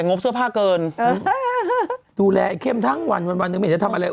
งบเสื้อผ้าเกินดูแลไอ้เข้มทั้งวันวันหนึ่งไม่เห็นจะทำอะไร